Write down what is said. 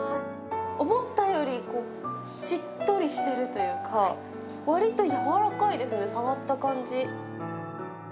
思ったよりしっとりしてるというか、わりと柔らかいですね、触った感じ。